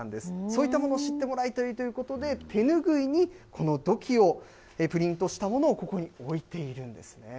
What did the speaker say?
そういったものを知ってもらいたいということで、手拭いにこの土器をプリントしたものをここに置いているんですね。